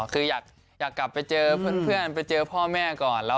คืออยากกลับไปเจอเพื่อนไปเจอพ่อแม่ก่อน